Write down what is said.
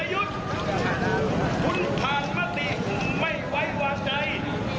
คุณทางมติไม่ไหวหวังใจ